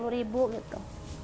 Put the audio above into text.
sepuluh ribu gitu